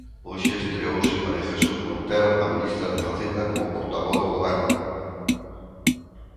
Hoxe estreouse María Jesús Montero, a ministra de Facenda, como portavoz do Goberno.